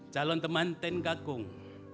calon teman tengkakung